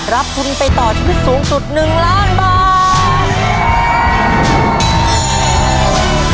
รับทุนไปต่อชีวิตสูงสุด๑ล้านบาท